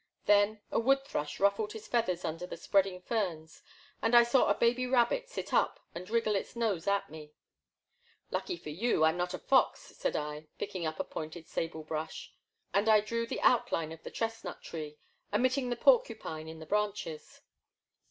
Then a wood thrush ruffled his feathers under the spreading ferns, and I saw a baby rabbit sit up and wriggle its nose at me. Lucky for you I *m not a fox, said I, pick ing up a pointed sable brush; and I drew the out 156 The Black Water. line of the chestnut tree, omitting the porcupine in the branches.